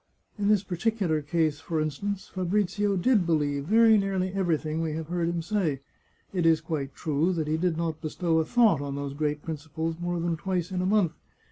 In this particular case, for instance, Fabrizio did believe very nearly everything we have heard him say. It is quite true that he did not bestow a thought on those great principles more than twice in a month.